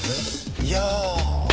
いや。